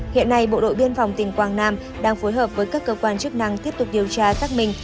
hiện nay bộ đội biên phòng tỉnh quang nam đang phối hợp với các cơ quan chức năng